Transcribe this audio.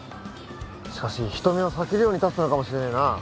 しかし人目を避けるように建てたのかもしれねえな